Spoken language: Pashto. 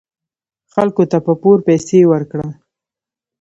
خلکو ته په پور پیسې ورکړه .